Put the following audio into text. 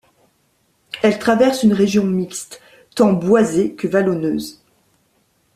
Elle traverse une région mixte, tant boisée que vallonneuse.